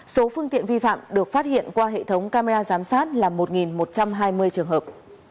số phương tiện vi phạm được phát hiện qua hệ thống camera giám sát là một một trăm hai mươi trường hợp